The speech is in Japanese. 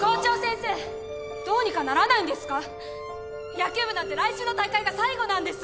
野球部なんて来週の大会が最後なんです。